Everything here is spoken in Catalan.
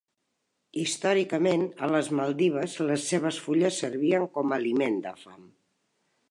Històricament a les Maldives les seves fulles servien com aliment de fam.